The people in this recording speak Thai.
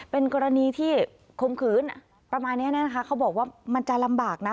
เป็นกรณีที่คมขืนประมาณนี้นะคะเขาบอกว่ามันจะลำบากนะ